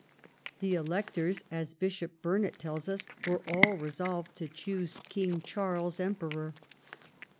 ' The electors,' as Bishop Burnet teUs us, ' were all resolved to choose King Charles emperor.'